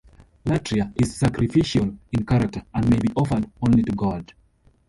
"Latria" is sacrificial in character, and may be offered only to God.